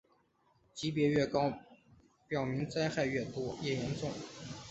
级别越高表明灾害越严重。